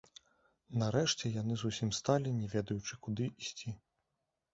Нарэшце яны зусім сталі, не ведаючы куды ісці.